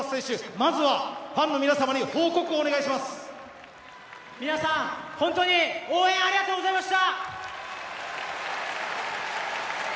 まずはファンの皆様に皆さん、本当に応援ありがとうございました！